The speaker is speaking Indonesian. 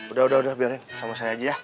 eh udah udah biarin sama saya aja ya